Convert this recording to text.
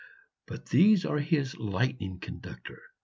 But these are his lightning conductor.